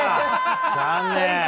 残念！